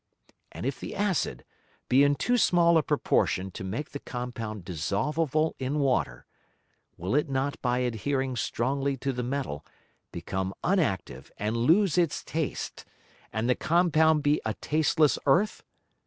And if the Acid be in too small a Proportion to make the Compound dissolvable in Water, will it not by adhering strongly to the Metal become unactive and lose its Taste, and the Compound be a tasteless Earth?